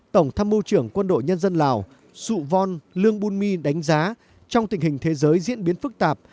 tổng thăm mưu trưởng quân đội nhân dân lào sụ văn lương bùn my đánh giá trong tình hình thế giới diễn biến phức tạp